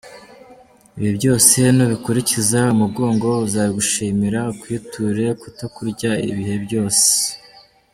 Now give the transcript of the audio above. Ibi byose nubikurikiza, umugongo uzabigushimira, ukwiture kutakurya ibihe byose.